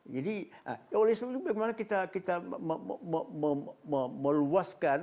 jadi oleh sebetulnya bagaimana kita meluaskan